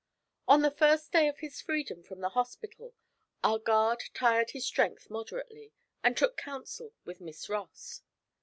On the first day of his freedom from the hospital our guard tried his strength moderately, and took counsel with Miss Ross.